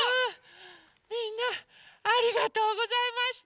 みんなありがとうございました。